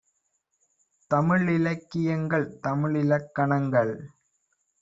தமிழிலக் கியங்கள் தமிழிலக் கணங்கள்